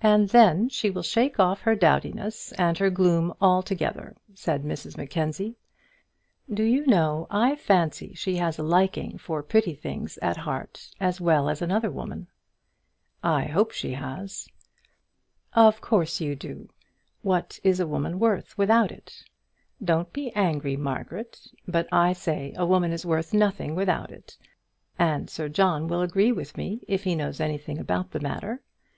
"And then she will shake off her dowdiness and her gloom together," said Mrs Mackenzie. "Do you know I fancy she has a liking for pretty things at heart as well as another woman." "I hope she has," said he. "Of course you do. What is a woman worth without it? Don't be angry, Margaret, but I say a woman is worth nothing without it, and Sir John will agree with me if he knows anything about the matter.